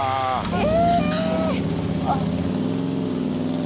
え！？